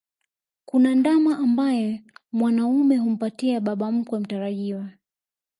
Kuna ndama ambaye mwanaume humpatia baba mkwe mtarajiwa